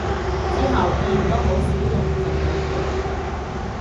之後見都好少用就冇續